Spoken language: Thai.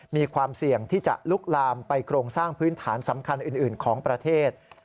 มีความเสี่ยงที่จะลุกลามไปโครงสร้างพื้นฐานสำคัญอื่นของประเทศ